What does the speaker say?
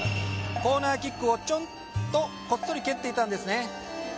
コーナーキックをチョンとこっそり蹴っていたんですね。